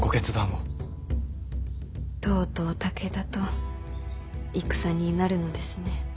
とうとう武田と戦になるのですね。